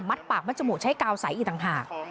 ปากมัดจมูกใช้กาวใสอีกต่างหาก